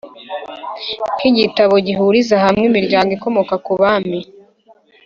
nk'igitabo gihuriza hamwe imiryango ikomoka ku bami